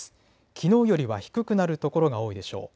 きのうよりは低くなるところが多いでしょう。